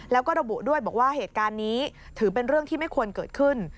แล้วก็ระบุด้วยบอกว่าเหตุการณ์นี้ถือเป็นเรื่องที่ไม่ควรเกิดขึ้น